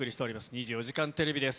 ２４時間テレビです。